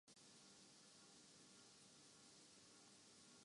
انہوں نے کہا: میں دیکھ لیتا ہوں۔